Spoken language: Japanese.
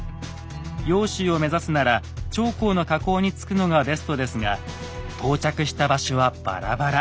揚州を目指すなら長江の河口に着くのがベストですが到着した場所はバラバラ。